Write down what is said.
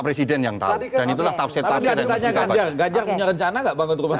presiden yang tadi dan itulah tafsir tafsir dan tanya kan nggak punya rencana nggak banget rumah